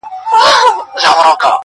چي استاد یې وو منتر ورته ښودلی-